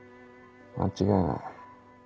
間違いない。